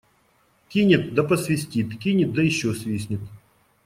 Кинет да посвистит, кинет да еще свистнет.